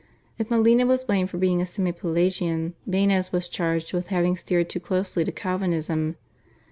If Molina was blamed for being a Semi Pelagian, Banez was charged with having steered too closely to Calvinism.